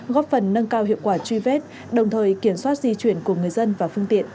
góp phần nâng cao hiệu quả truy vết đồng thời kiểm soát di chuyển của người dân và phương tiện